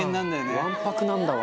中丸：わんぱくなんだわ。